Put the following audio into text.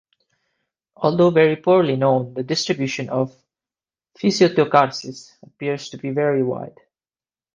Although very poorly known, the distribution of "Physetocaris" appears to be very wide.